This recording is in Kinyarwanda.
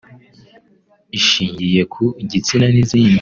ishingiye ku gitsina n’izindi